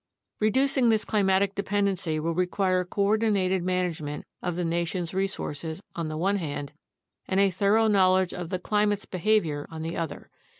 Reducing this climatic dependency will require coordinated man agement of the nation's resources on the one hand and a thorough knowledge of the climate's behavior on the other.